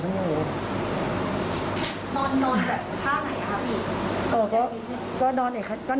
ฉันไม่ทราบหรอกมันฉันนอนเล่นมือถือเฉย